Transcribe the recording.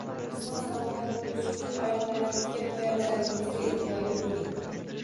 Sog‘-salomat bo‘lish uchun oyoqlaringizga, poyafzalingizga e’tiborli bo‘ling.